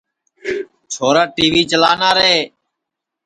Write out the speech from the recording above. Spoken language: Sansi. چھورا ٹی وی چلانا رے